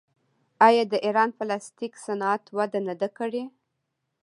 آیا د ایران پلاستیک صنعت وده نه ده کړې؟